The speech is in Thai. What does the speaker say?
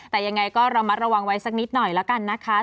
แต่ยังไงก็ระมัดระวังไว้สักนิดหน่อยแล้วกันนะคะ